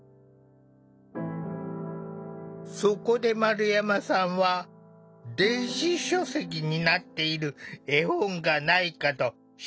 そこで丸山さんは電子書籍になっている絵本がないかと調べてみた。